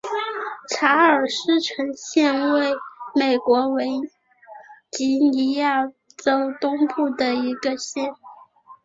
查尔斯城县位美国维吉尼亚州东部的一个县。